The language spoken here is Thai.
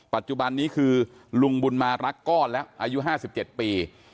ปัจจุบันนี้คือลุงบุญมารักก้อนแล้วอายุห้าสิบเจ็ดปี